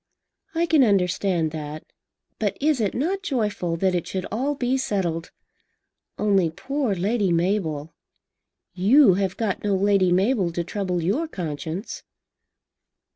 "I can understand that. But is it not joyful that it should all be settled? Only poor Lady Mabel! You have got no Lady Mabel to trouble your conscience."